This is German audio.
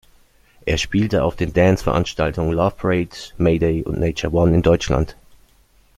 Er spielte auf den Dance-Veranstaltungen Loveparade, Mayday und Nature One in Deutschland.